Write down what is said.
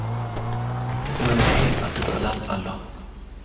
እቲ መምርሒ ኣብቲ ጥቕላል ኣሎ።